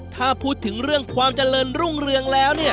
ถ้าพูดถึงเรื่องความเจริญรุ่งเรืองแล้ว